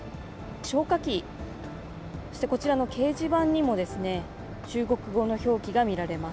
消火器、そしてこちらの掲示板にも中国語の表記が見られます。